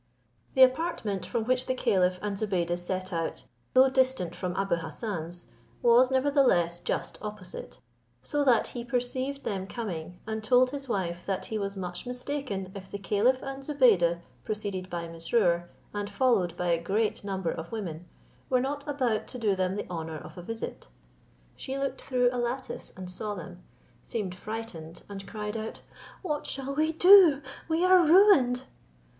The apartment from which the caliph and Zobeide set out, though distant from Abou Hassan's, was nevertheless just opposite, so that he perceived them coming, and told his wife that he was much mistaken if the caliph and Zobeide, preceded by Mesrour, and followed by a great number of women, were not about to do them the honour of a visit. She looked through a lattice and saw them, seemed frightened, and cried out, "What shall we do? we are ruined."